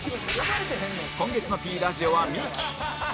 今月の Ｐ ラジオはミキ